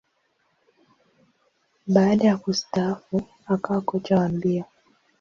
Baada ya kustaafu, akawa kocha wa mbio.